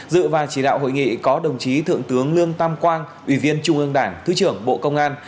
dự và chỉ đạo hội nghị có đồng chí thượng tướng lương tam quang ủy viên trung ương đảng thứ trưởng bộ công an